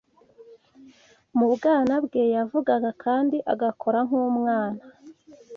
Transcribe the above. Mu bwana bwe yavugaga kandi agakora nk’umwana